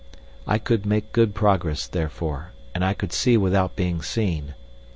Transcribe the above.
I could make good progress, therefore, and I could see without being seen.